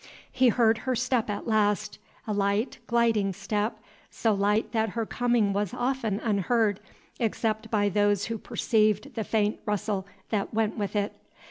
He heard her step at last, alight, gliding step, so light that her coming was often unheard, except by those who perceived the faint rustle that went with it.